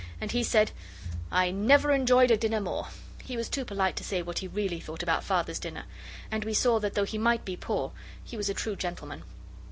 And he said: 'I never enjoyed a dinner more.' He was too polite to say what he really thought about Father's dinner. And we saw that though he might be poor, he was a true gentleman.